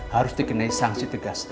harus dikenai sanksi tegas